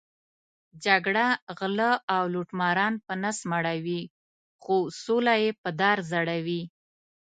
جګړه غله او لوټماران په نس مړوي، خو سوله یې په دار ځړوي.